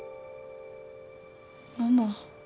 ママ。